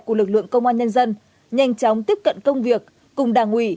của lực lượng công an nhân dân nhanh chóng tiếp cận công việc cùng đảng ủy